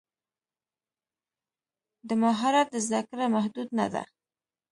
د مهارت زده کړه محدود نه ده.